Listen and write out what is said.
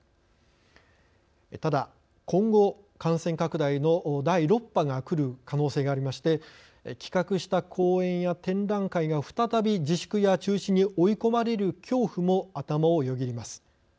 ただ、今後、感染拡大の第６波が来る可能性がありまして企画した公演や展覧会が再び自粛や中止に追い込まれる恐怖も頭をよぎります。